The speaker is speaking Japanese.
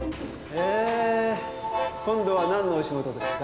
えー今度はなんのお仕事ですか？